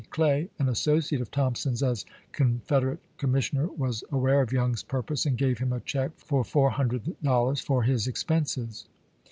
Clay, an associate of Thompson's as Confederate commis sioner, was aware of Young's purpose and gave him a check for four hundred dollars for his expenses.